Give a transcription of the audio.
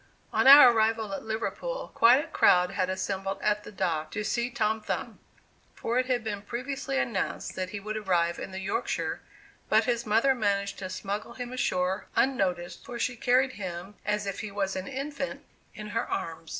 On our arrival at Liverpool, quite a crowd had assembled at the dock to see Tom Thumb, for it had been previously announced that he would arrive in the "Yorkshire," but his mother managed to smuggle him ashore unnoticed, for she carried him, as if he was an infant, in her arms.